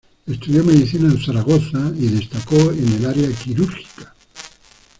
Estudió medicina en Zaragoza y destacó en el área quirúrgica.